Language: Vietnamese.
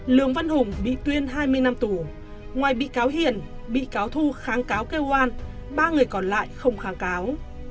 lương văn hùng bị tuyên hai mươi năm tù ngoài bị cáo hiền bị cáo thu kháng cáo kêu oan ba người còn lại không kháng cáo